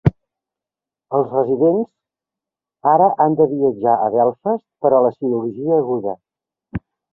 Els residents ara han de viatjar a Belfast per a la cirurgia aguda.